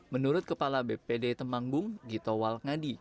menurut kepala bppd temanggung gito walngadi